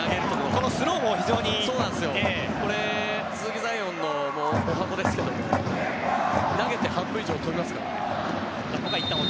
このスローも非常に鈴木彩艶の十八番ですけど投げて半歩以上、飛びますからね。